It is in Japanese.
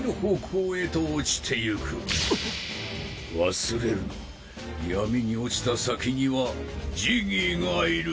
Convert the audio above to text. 忘れるな闇に落ちた先にはジギーがいる。